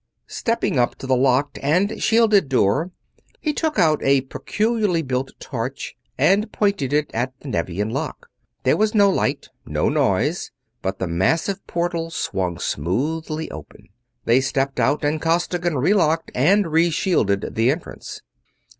Stepping up to the locked and shielded door, he took out a peculiarly built torch and pointed it at the Nevian lock. There was no light, no noise, but the massive portal swung smoothly open. They stepped out and Costigan relocked and reshielded the entrance.